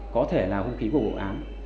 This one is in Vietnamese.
có thể là hung khí của bộ án